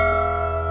duit dari mana